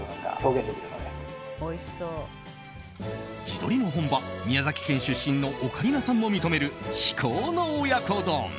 地鶏の本場・宮崎県出身のオカリナさんも認める至高の親子丼。